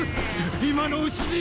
今のうちに！